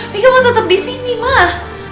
mika mau tetap di sini mak